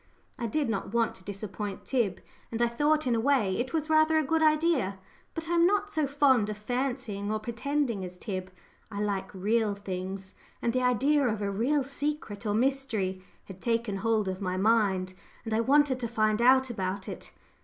I did not want to disappoint Tib, and I thought, in a way, it was rather a good idea. But I am not so fond of fancying or pretending as Tib I like real things. And the idea of a real secret or mystery had taken hold of my mind, and I wanted to find out about it.